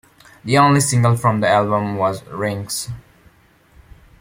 The only single from the album was "Rings".